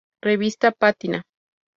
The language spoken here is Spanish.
Revista "Pátina".